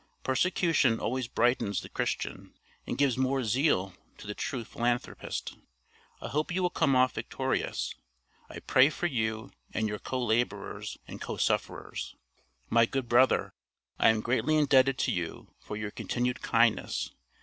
Persecution always brightens the Christian, and gives more zeal to the true philanthropist. I hope you will come off victorious. I pray for you and your co laborers and co sufferers. My good brother, I am greatly indebted to you for your continued kindness.